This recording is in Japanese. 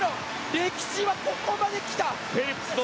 歴史はここまで来た！